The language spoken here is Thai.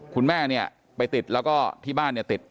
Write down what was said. คุณแม่เนี่ยไปติดแล้วก็ที่บ้านเนี่ยติด